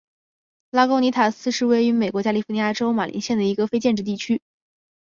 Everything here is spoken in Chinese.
拉贡尼塔斯是位于美国加利福尼亚州马林县的一个非建制地区。